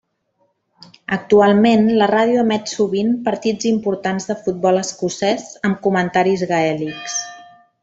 Actualment la ràdio emet sovint partits importants de futbol escocès amb comentaris gaèlics.